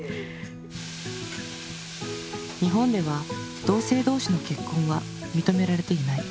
日本では同性同士の結婚は認められていない。